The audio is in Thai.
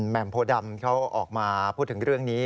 มโพดำเขาออกมาพูดถึงเรื่องนี้